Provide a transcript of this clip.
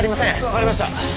分かりました。